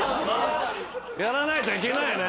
やらないといけないね。